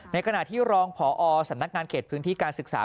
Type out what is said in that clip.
ในขณะที่รองพอสำนักงานเขตพื้นที่การศึกษา